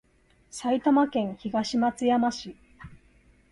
埼玉県東松山市